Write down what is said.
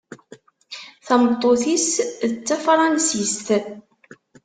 Tameṭṭut-is d tafransist.